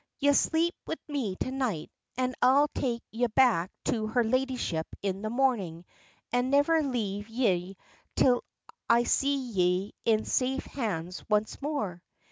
Ye'll sleep wid me to night, an' I'll take ye back to her ladyship in the morning, an' never leave ye till I see ye in safe hands once more.